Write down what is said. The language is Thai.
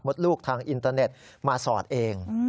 ลูกทางอินเตอร์เน็ตมาสอดเอง